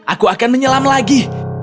aku akan menyelam lagi